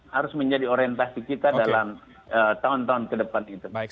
harus menjadi orientasi kita dalam tahun tahun ke depan itu